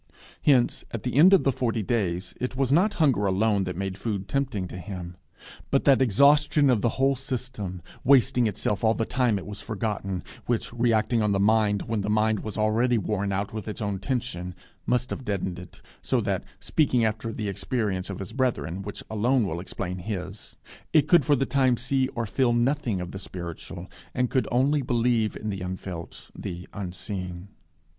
Hence, at the end of the forty days, it was not hunger alone that made food tempting to him, but that exhaustion of the whole system, wasting itself all the time it was forgotten, which, reacting on the mind when the mind was already worn out with its own tension, must have deadened it so, that (speaking after the experience of his brethren, which alone will explain his,) it could for the time see or feel nothing of the spiritual, and could only believe in the unfelt, the unseen.